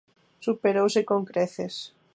Superouse con creces.